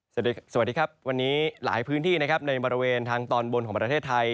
สวัสดีครับวันนี้หลายพื้นที่นะครับในบริเวณทางตอนบนของประเทศไทย